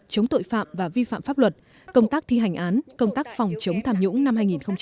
chống tội phạm và vi phạm pháp luật công tác thi hành án công tác phòng chống tham nhũng năm hai nghìn hai mươi